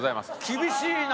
厳しいな！